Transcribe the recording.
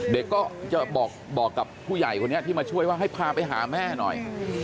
เด็กก็จะบอกกับผู้ใหญ่คนนี้ที่มาช่วยว่าให้พาไปหาแม่หน่อย